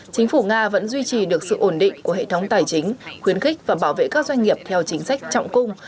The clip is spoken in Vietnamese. chính phủ nga vẫn duy trì được sự ổn định của hệ thống tài chính khuyến khích và bảo vệ các doanh nghiệp theo chính sách trọng cung